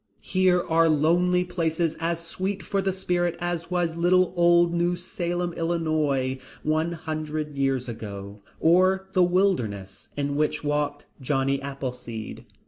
Here are lonely places as sweet for the spirit as was little old New Salem, Illinois, one hundred years ago, or the wilderness in which walked Johnny Appleseed.